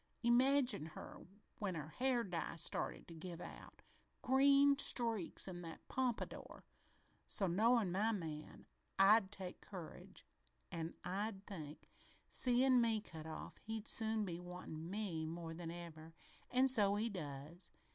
Imagine her when her hair dye started to give out green streaks in that pompadour! So, knowin' my man, I'd take courage an' I'd think, 'Seein' me cut off, he'll soon be wantin' me more than ever' an' so he does.